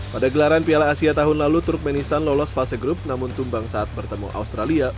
pada gelaran piala asia tahun lalu turkmenistan lolos fase grup namun tumbang saat bertemu australia